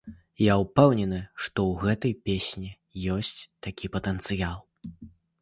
Я ўпэўнены, што ў гэтай песні ёсць такі патэнцыял.